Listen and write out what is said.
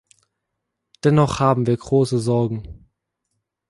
Dennoch haben wir große Sorgen.